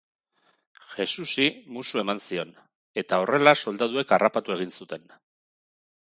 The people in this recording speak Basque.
Jesusi musu eman zion, eta horrela soldaduek harrapatu egin zuten.